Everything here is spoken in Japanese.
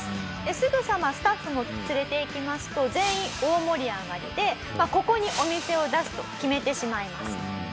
すぐさまスタッフも連れていきますと全員大盛り上がりでここにお店を出すと決めてしまいます。